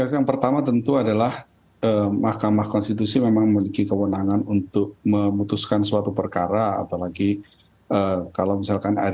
yang pertama tentu adalah mahkamah konstitusi memang memiliki kewenangan untuk memutuskan suatu perkara apalagi kalau misalkan ada